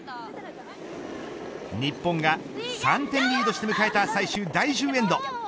日本が３点リードして迎えた最終第１０エンド